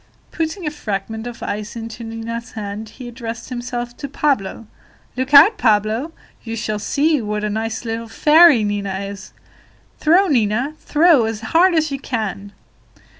Putting a fragment of ice into Nina's hand, he addressed himself to Pablo: "Look out, Pablo; you shall see what a nice little fairy Nina is! Throw, Nina, throw, as hard as you can."